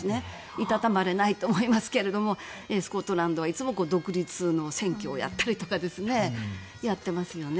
いたたまれないと思いますがスコットランドは、いつも独立の選挙をやったりとかやってますよね。